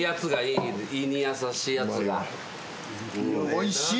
おいしい。